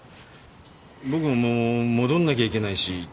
僕ももう戻んなきゃいけないし。